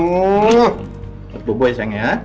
buat bubu aja sayang ya